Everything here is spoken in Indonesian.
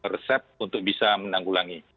resep untuk bisa menanggulangi